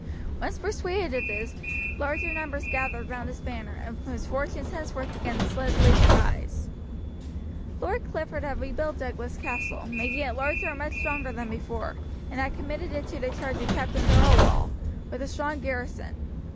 Once persuaded of this, larger numbers gathered round his banner, and his fortunes henceforth began steadily to rise. Lord Clifford had rebuilt Douglas Castle, making it larger and much stronger than before, and had committed it to the charge of Captain Thirlwall, with a strong garrison.